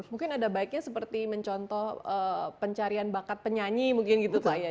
mungkin ada baiknya seperti mencontoh pencarian bakat penyanyi mungkin gitu pak ya